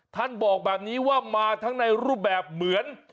ท่านบอกแบบนี้ว่ามาทั้งในรูปแบบเหมือน